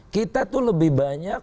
kita tuh lebih banyak